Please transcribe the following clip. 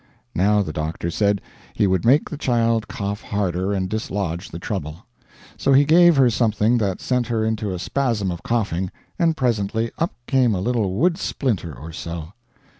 Now the doctor said he would make the child cough harder and dislodge the trouble. So he gave her something that sent her into a spasm of coughing, and presently up came a little wood splinter or so.